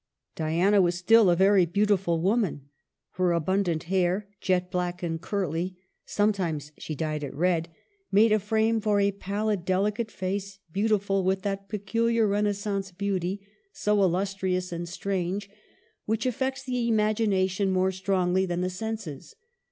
Diana was still a very beautiful woman. Her abundant hair, jet black and curly (sometimes she dyed it red), made a frame for a pallid, delicate face, beautiful with that peculiar Re naissance beauty, so illustrious and strange, l68 MARGARET OF ANGOUL^ME. which affects the imagination more strongly than the senses.